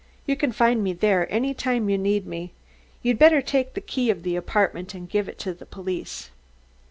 You can find me there any time you need me. You'd better take the key of the apartment and give it to the police."